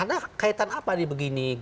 ada kaitan apa di begini